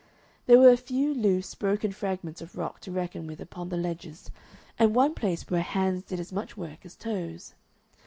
There were a few loose, broken fragments of rock to reckon with upon the ledges, and one place where hands did as much work as toes.